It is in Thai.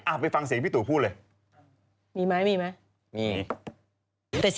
อ่ะไปฟังเสียงพี่ตูนพูดเลย